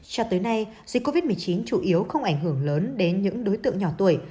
cho tới nay dịch covid một mươi chín chủ yếu không ảnh hưởng lớn đến những đối tượng nhỏ tuổi